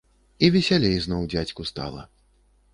І весялей зноў дзядзьку стала.